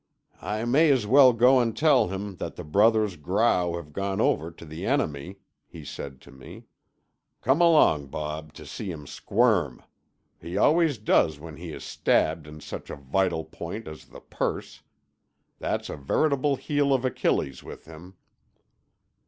"I may as well go and tell him that the brothers Grau have gone over to the enemy," he said to me. "Come along, Bob, and see him squirm. He always does when he is stabbed in such a vital point as the purse. That's a veritable heel of Achilles with him."